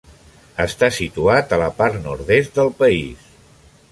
Està situat a la part nord-est del país.